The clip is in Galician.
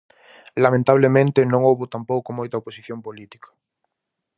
Lamentablemente non houbo tampouco moita oposición política.